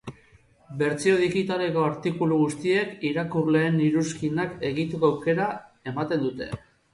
Bertsio digitaleko artikulu guztiek irakurleen iruzkinak egiteko aukera ematen dute.